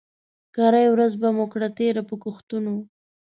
کرۍ ورځ به مو کړه تېره په ګښتونو